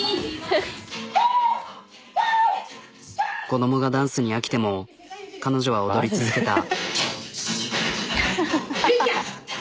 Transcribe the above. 子供がダンスに飽きても彼女は踊り続けた。